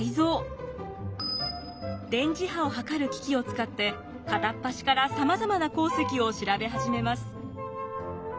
電磁波を測る機器を使って片っ端からさまざまな鉱石を調べ始めます。